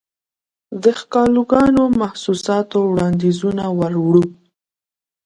دښکالوګانو، محسوساتووړاندیزونه وروړو